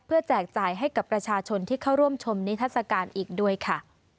แจกจ่ายให้กับประชาชนที่เข้าร่วมชมนิทัศกาลอีกด้วยค่ะ